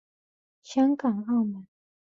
香港澳门